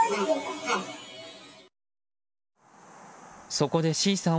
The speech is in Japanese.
そこで、Ｃさん